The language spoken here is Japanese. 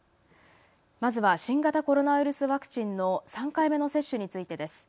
まずは新型コロナウイルスワクチンの３回目の接種についてです。